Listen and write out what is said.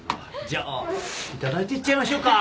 じゃあ頂いていっちゃいましょうか。